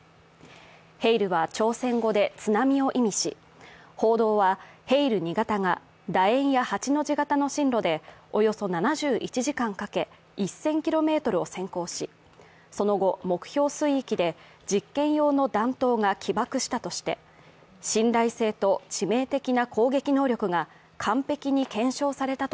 ヘイルは朝鮮語で津波を意味し報道は、ヘイル２型がだ円や８の字型の針路でおよそ７１時間かけ、１０００ｋｍを潜航しその後、目標水域で実験用の弾頭が起爆したとして信頼性と致命的な攻撃能力が完璧に検証されたと